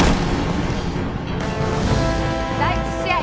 第一試合